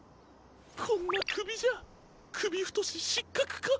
こんなくびじゃくびふとししっかくか。